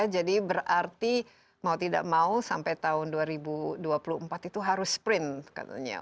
jadi berarti mau tidak mau sampai tahun dua ribu dua puluh empat itu harus sprint katanya